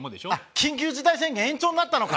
緊急事態宣言延長になったのか。